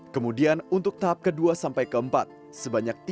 kemudian untuk tahap ke dua sampai ke empat sebanyak tiga belas tiga ratus lima puluh